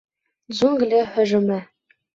ДЖУНГЛИ ҺӨЖҮМЕ